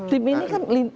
tim ini kan